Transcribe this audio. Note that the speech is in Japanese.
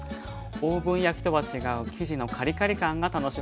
オーブン焼きとは違う生地のカリカリ感が楽しめます。